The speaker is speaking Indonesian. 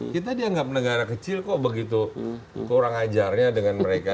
kita dianggap negara kecil kok begitu kurang ajarnya dengan mereka